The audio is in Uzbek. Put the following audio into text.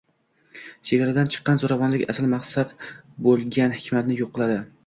Chegaradan chiqqan zo‘ravonlik asl maqsad bo‘lgan hikmatni yo‘q qiladi.